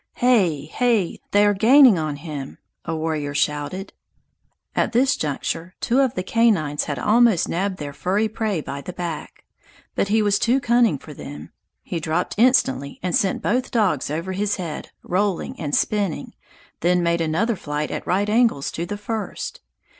"Hey! hey! they are gaining on him!" a warrior shouted. At this juncture two of the canines had almost nabbed their furry prey by the back. But he was too cunning for them. He dropped instantly and sent both dogs over his head, rolling and spinning, then made another flight at right angles to the first.